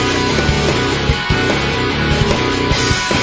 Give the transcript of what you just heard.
ดีดีดี